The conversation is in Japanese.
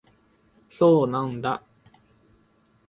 そうなんだ